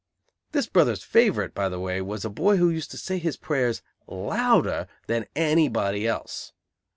This brother's favorite, by the way, was a boy who used to say his prayers louder than anybody else.